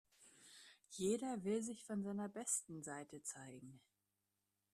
Jeder will sich von seiner besten Seite zeigen.